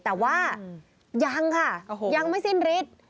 แต่ว่ายังค่ะยังไม่สิ้นฤทธิ์